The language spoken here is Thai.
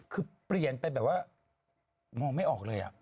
คือเปลี่ยนไปแบบว่ามองไม่ออกเลย